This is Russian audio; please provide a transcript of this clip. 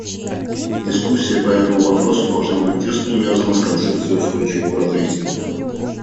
Дискуссия по этому вопросу должна быть тесно увязана с концепцией устойчивого развития.